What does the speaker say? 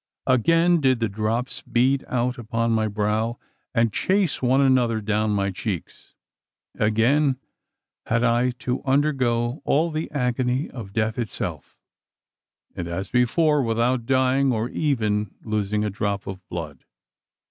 Again did the drops bead out upon my brow, and chase one another down my cheeks. Again had I to undergo all the agony of death itself and, as before, without dying, or even losing a drop of my blood!